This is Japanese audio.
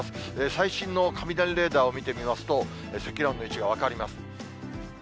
最新の雷レーダーを見てみますと、積乱雲の位置が分かります。